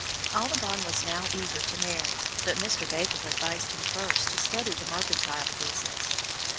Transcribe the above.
Audubon was now eager to marry, but Mr. Bakewell advised him first to study the mercantile business.